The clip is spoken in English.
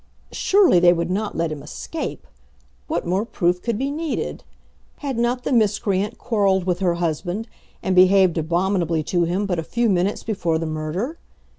Surely they would not let him escape! What more proof could be needed? Had not the miscreant quarrelled with her husband, and behaved abominably to him but a few minutes before the murder?